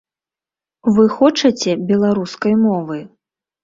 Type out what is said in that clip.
Вы хочаце беларускай мовы?